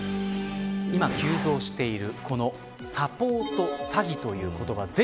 今、急増しているこのサポート詐欺という言葉。